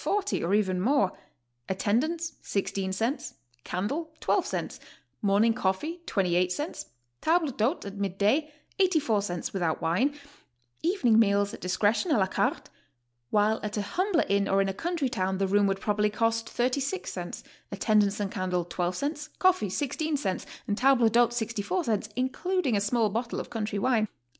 40, or even more); attendance, 16 cents; candle, 12 cents; morning coffee, 28 cents; table d'hote at mid day, 84 cents, without wine: evening meals at discretion, a la carte; while at a humbler inn or in a country town, the room would probably cost 36 cents; attendance and candle, 12 cents; coffee, 16 cents; and table d'hote, 64 cents, including a small bottle of country wine.